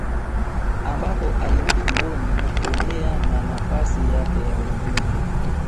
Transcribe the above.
Ambapo alirudi jimboni na kuendelea na nafasi yak ya ubunge